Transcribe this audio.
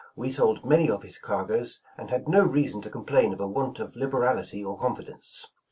We sold many of his cargoes, and had no reason to complain of a want of liberality or confi dence.